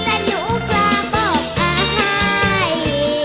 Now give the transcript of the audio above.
แต่หนูกล้าบอกอาย